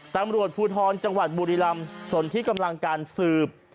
ตำรวจภูทรจังหวัดบุรีรำส่วนที่กำลังการสืบ